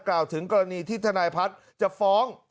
กล่าวถึงกรณีที่ทนายพัฒน์จะฟ้อง